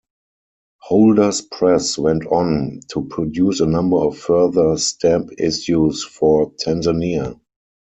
Holders Press went on to produce a number of further stamp issues for Tanzania.